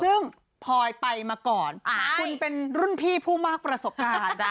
ซึ่งพลอยไปมาก่อนคุณเป็นรุ่นพี่ผู้มากประสบการณ์